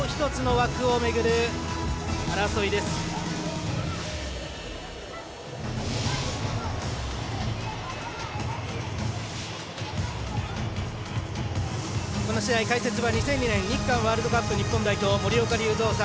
この試合解説は２００２年日韓ワールドカップ、日本代表森岡隆三さん。